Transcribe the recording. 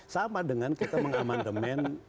sama dengan kita mengamandemen